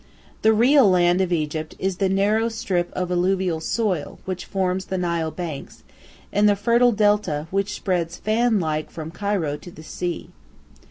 The real land of Egypt is the narrow strip of alluvial soil which forms the Nile banks, and the fertile delta which spreads fan like from Cairo to the sea.